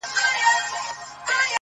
o ژوند پکي اور دی ـ آتشستان دی ـ